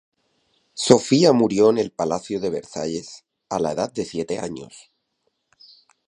Sofía murió en el Palacio de Versalles, a la edad de siete años.